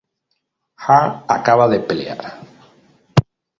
Hurd acaba de pelear.